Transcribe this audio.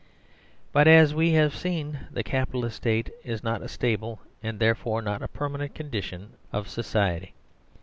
But, as we have seen, the Capitalist State is not a stable, and therefore not a permanent, condition of society.